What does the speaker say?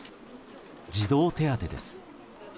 児童手当です。